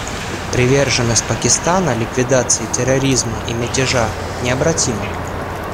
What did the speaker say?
Приверженность Пакистана ликвидации терроризма и мятежа необратима.